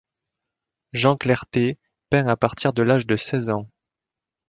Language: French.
Jean Clerté peint à partir de l'âge de seize ans.